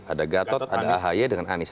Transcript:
ada gatot ada ahy dengan anies